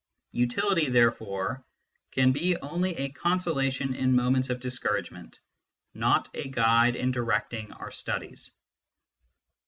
Utility, therefore, can be only a consolation in moments of discouragement, not a guide in directing our studies.